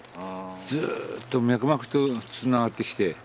ずっと脈々とつながってきて